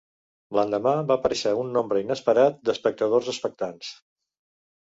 L'endemà va aparèixer un nombre inesperat d'espectadors expectants.